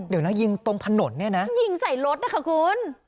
เดี๋ยวนะยิงตรงถนนเนี่ยนะยิงใส่รถนะคะคุณ